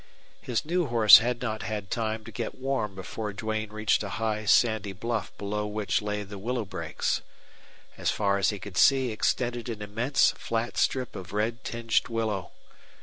His new horse had not had time to get warm before Duane reached a high sandy bluff below which lay the willow brakes. As far as he could see extended an immense flat strip of red tinged willow.